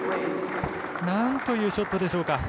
なんというショットでしょうか。